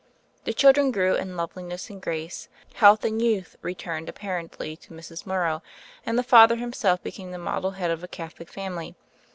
The children grew in loveliness and grace; health and youth returned apparently to Mrs. Morrow, and the father himself became the model head of a Catholic family.